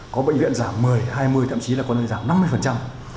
có bệnh viện giảm một mươi hai mươi thậm chí là có bệnh viện giảm năm mươi